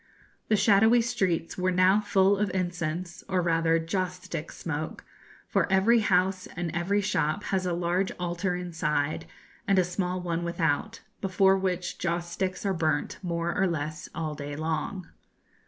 The shadowy streets were now full of incense or rather joss stick smoke, for every house and every shop has a large altar inside, and a small one without, before which joss sticks are burnt more or less all day long.